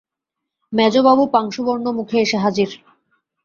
মেজোবাবু পাংশুবর্ণ মুখে এসে হাজির।